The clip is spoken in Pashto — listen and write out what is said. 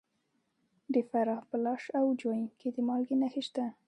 د فراه په لاش او جوین کې د مالګې نښې شته.